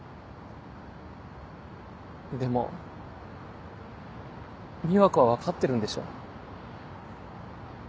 でも美和子は分かってるんでしょ？